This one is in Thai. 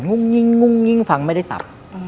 งุ่งงุ่งงุ่งฟังไม่ได้สับ